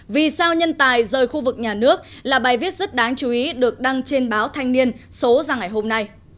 vì sao nhân tài rời khu vực nhà nước là bài viết rất đáng chú ý được đăng trên báo thanh niên số ra ngày hôm nay